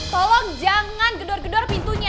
tolong jangan gedor gedor pintunya